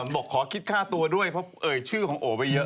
บอกขอคิดค่าตัวด้วยเพราะเอ่ยชื่อของโอไปเยอะ